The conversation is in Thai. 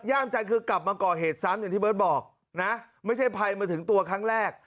ใจคือกลับมาก่อเหตุซ้ำอย่างที่เบิร์ตบอกนะไม่ใช่ภัยมาถึงตัวครั้งแรก